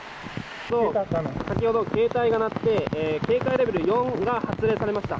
先ほど携帯が鳴って警戒レベル４が発令されました。